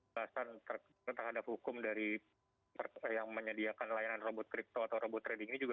bahkan terhadap hukum dari yang menyediakan layanan robot crypto atau robot trading juga